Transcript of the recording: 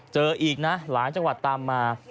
เจออีกนะหลายจังหวัดตามมา